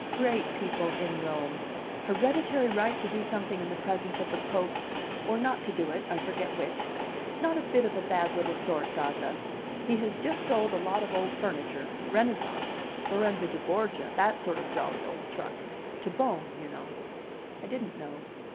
Great people in Rome. Hereditary right to do something in the presence of the Pope or not to do it, I forget which. Not a bit of a bad little sort, Gazza. He has just sold a lot of old furniture Renaissance Lorenzo du Borgia that sort of jolly old truck to Bohm, you know." I didn't know.